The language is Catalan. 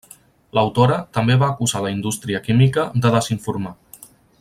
L'autora també va acusar la indústria química de desinformar.